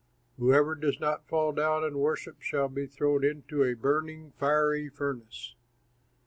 Whoever does not fall down and worship shall be thrown into a burning, fiery furnace.'"